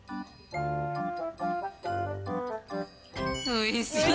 おいしい？